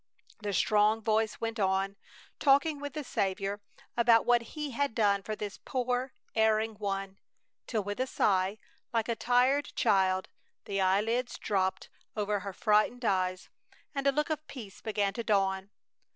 The strong voice went on, talking with the Saviour about what He had done for this poor erring one, till with a sigh, like a tired child, the eyelids dropped over her frightened eyes and a look of peace began to dawn.